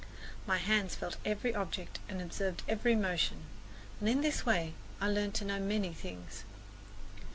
My hands felt every object and observed every motion, and in this way I learned to know many things.